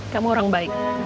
kamu orang baik